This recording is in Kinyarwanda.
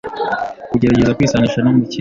Kugerageza kwisanisha n’umukiriya